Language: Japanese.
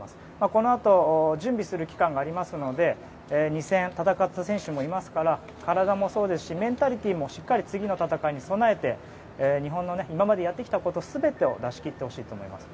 このあと準備する期間がありますので２戦、戦った選手もいますから体もそうですしメンタリティーも次の試合に備えて全ての力を出し切ってほしいと思います。